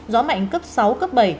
gió mạnh cấp sáu cấp bảy